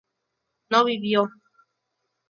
no vivió